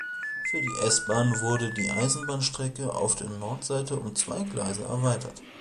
Für die S-Bahn wurde die Eisenbahnstrecke auf der Nordseite um zwei Gleise erweitert.